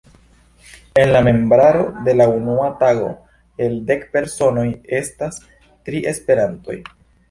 En la membraro de la unua tago el dek personoj estas tri esperantistoj.